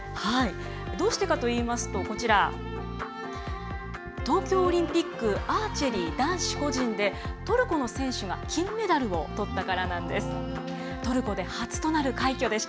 どうしてかといいますと東京オリンピックアーチェリー男子個人でトルコの選手が金メダルをとったからなんです。